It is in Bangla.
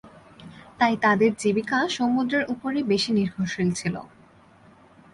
তাই তাদের জীবিকা সমুদ্রের উপরই বেশি নির্ভরশীল ছিল।